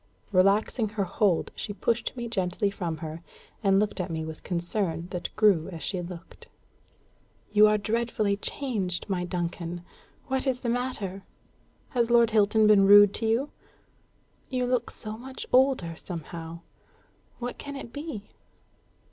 Relaxing her hold, she pushed me gently from her, and looked at me with concern that grew as she looked. "You are dreadfully changed, my Duncan! What is the matter? Has Lord Hilton been rude to you? You look so much older, somehow. What can it be?"